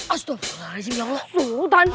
astagfirullahaladzim ya allah sultan